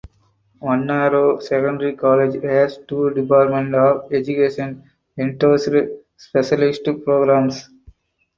Wanneroo Secondary College has two Department of Education endorsed specialist programs.